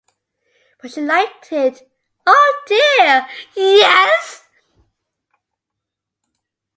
But she liked it; oh dear, yes!